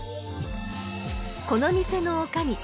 この店のおかみ